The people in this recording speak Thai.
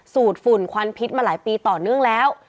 ดฝุ่นควันพิษมาหลายปีต่อเนื่องแล้ว